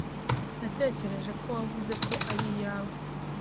Natekereje ko wavuze ko ari iyawe.